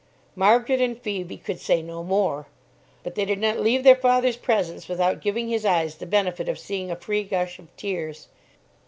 Margaret and Phoebe could say no more; but they did not leave their father's presence without giving his eyes the benefit of seeing a free gush of tears.